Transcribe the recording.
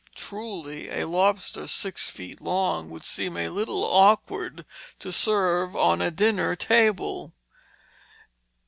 Truly a lobster six feet long would seem a little awkward to serve on a dinner table.